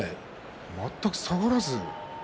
全く下がらずに。